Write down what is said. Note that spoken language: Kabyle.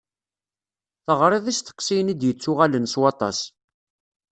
Teɣriḍ isteqsiyen i d-yettuɣalen s waṭas.